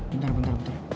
bentar bentar bentar